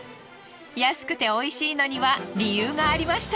安くて美味しいのには理由がありました。